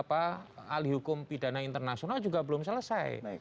ahli hukum pidana internasional juga belum selesai